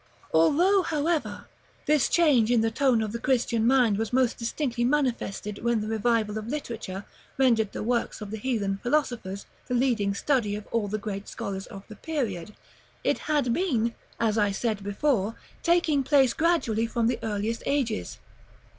§ XLVIII. Although, however, this change in the tone of the Christian mind was most distinctly manifested when the revival of literature rendered the works of the heathen philosophers the leading study of all the greatest scholars of the period, it had been, as I said before, taking place gradually from the earliest ages.